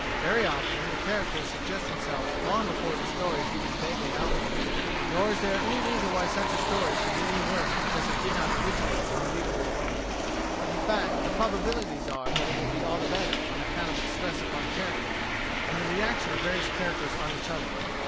Very often the characters suggest themselves long before the story is even vaguely outlined. Nor is there any reason why such a story should be any worse because it did not originate in the usual way. In fact, the probabilities are that it will be all the better, on account of its stress upon character, and the reaction of various characters on each other.